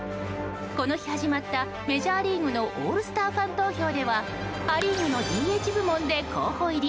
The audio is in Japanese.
この日、始まったメジャーリーグのオールスターファン投票ではア・リーグのＤＨ部門で候補入り。